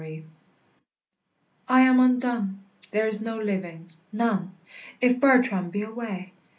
I am undone: there is no living, none, If Bertram be away.